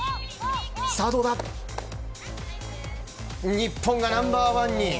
日本がナンバーワンに。